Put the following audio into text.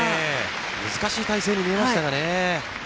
難しい体勢に見えましたがね。